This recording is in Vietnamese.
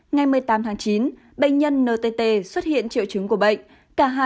ngày một mươi tám tháng chín bệnh nhân ntt xuất hiện triệu chứng của bệnh